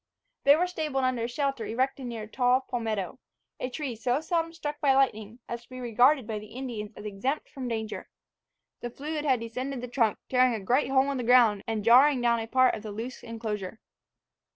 They were stabled under a shelter erected near a tall palmetto a tree so seldom struck by lightning, as to be regarded by the Indians as exempt from danger. The fluid had descended the trunk, tearing a great hole in the ground, and jarring down a part of the loose enclosure.